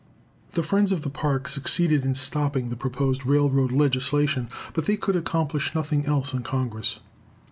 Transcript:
The friends of the Park succeeded in stopping the proposed railroad legislation, but they could accomplish nothing else in Congress.